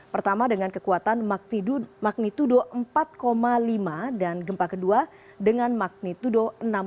pertama dengan kekuatan magnitudo empat lima dan gempa kedua dengan magnitudo enam satu